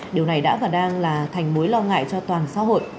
điều này đã và đang là thành mối lo ngại cho toàn xã hội